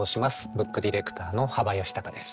ブックディレクターの幅允孝です。